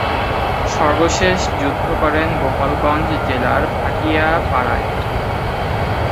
সর্বশেষ যুদ্ধ করেন গোপালগঞ্জ জেলার ভাটিয়াপাড়ায়।